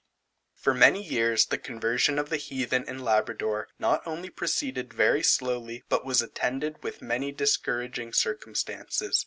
For many years the conversion of the heathen in Labrador, not only proceeded very slowly, but was attended with many discouraging circumstances.